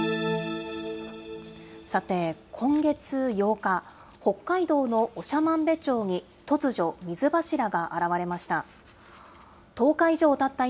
さて、今月８日、北海道の長万部町に突如、水柱が現れました。